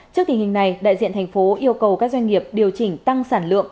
trước tình hình này đại diện thành phố yêu cầu các doanh nghiệp điều chỉnh tăng sản lượng